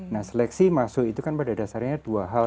nah seleksi masuk itu kan pada dasarnya dua hal